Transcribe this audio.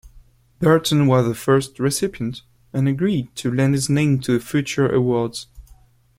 Berton was the first recipient and agreed to lend his name to future awards.